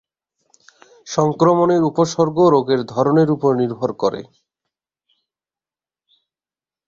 সংক্রমণের উপসর্গ রোগের ধরনের উপর নির্ভর করে।